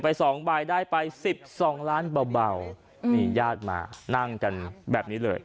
สองใบได้ไปสิบสองล้านเบามีญาติมานั่งกันแบบนี้เลย